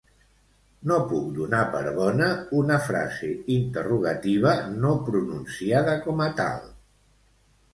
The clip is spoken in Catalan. No puc donar per bona una frase interrogativa no pronunciada com a tal